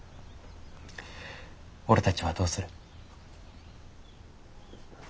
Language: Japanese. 俺たちはどうする？